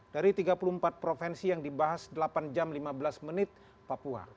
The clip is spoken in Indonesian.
dari tiga puluh empat provinsi yang dibahas delapan jam lima belas menit papua